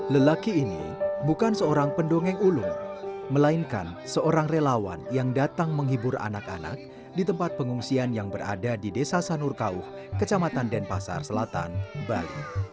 lelaki ini bukan seorang pendongeng ulung melainkan seorang relawan yang datang menghibur anak anak di tempat pengungsian yang berada di desa sanur kau kecamatan denpasar selatan bali